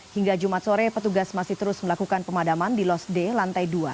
hingga jumat sore petugas masih terus melakukan pemadaman di los d lantai dua